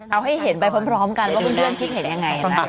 เอาให้เห็นไปพร้อมกันว่าเพื่อนคิดเห็นยังไง